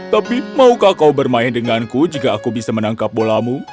tapi maukah kau bermain denganku jika aku bisa menangkap bolamu